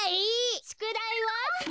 しゅくだいは？